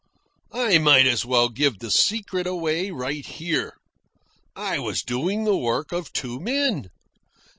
I might as well give the secret away right here. I was doing the work of two men.